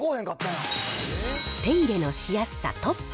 手入れのしやすさトップ。